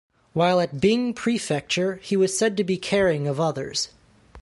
While at Bing Prefecture, he was said to be caring of others.